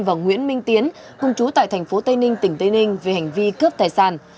và nguyễn minh tiến cùng chú tại tp tây ninh tỉnh tây ninh về hành vi cướp tài sản